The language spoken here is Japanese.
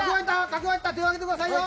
書き終わったら手を挙げてくださいよ。